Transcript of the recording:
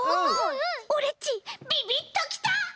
オレっちビビッときた！